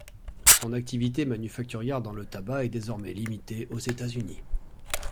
Son activité manufacturière dans le tabac est désormais limitée aux États-Unis.